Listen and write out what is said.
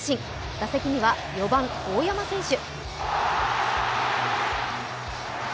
打席には４番・大山選手。